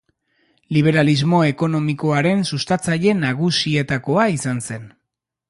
Liberalismo ekonomikoaren sustatzaile nagusietakoa izan zen.